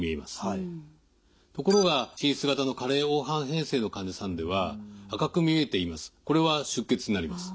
ところが滲出型の加齢黄斑変性の患者さんでは赤く見えています。